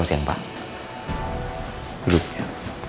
terus kenapa bangun saya